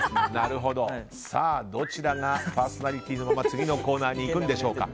どちらがパーソナリティーのまま次のコーナーにいくのでしょうか。